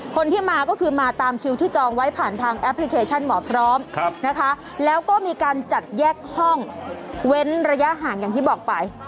คนที่มาก็คือมาตามคิวที่จองไว้ผ่านทางแอปพลิเคชันหมอพร้อมนะคะแล้วก็มีการจัดแยกห้องเว้นระยะห่างอย่างที่บอกไป